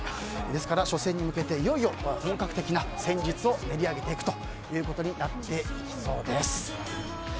ですから初戦に向けていよいよ本格的な戦術を練り上げていくということになっていきそうです。